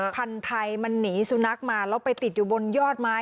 พันธุ์ไทยมันหนีสุนัขมาแล้วไปติดอยู่บนยอดไม้